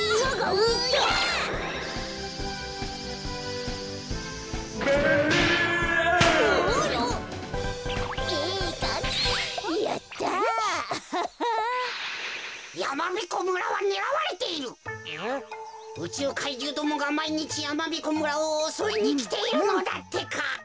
うちゅう怪獣どもがまいにちやまびこ村をおそいにきているのだってか。